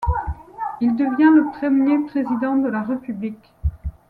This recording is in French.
Il devient le premier président de la République.